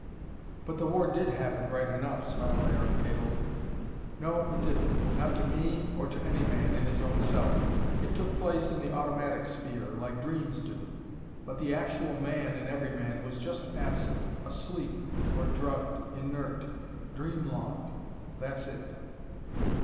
"But the war did happen, right enough," smiled Aaron palely. "No, it didn't. Not to me or to any man, in his own self. It took place in the automatic sphere, like dreams do. But the ACTUAL MAN in every man was just absent asleep or drugged inert dream logged. That's it."